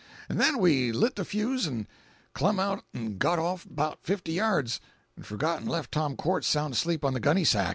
An' then we lit the fuse 'n' clumb out 'n' got off 'bout fifty yards—'n' forgot 'n' left Tom Quartz sound asleep on the gunny sack.